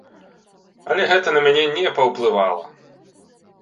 Але гэта на мяне не паўплывала.